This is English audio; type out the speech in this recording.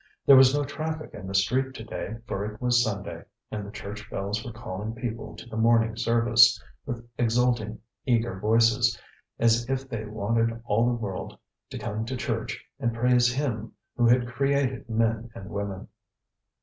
There was no traffic in the street to day for it was Sunday, and the church bells were calling people to the morning service with exulting, eager voices, as if they wanted all the world to come to church and praise Him who had created men and women.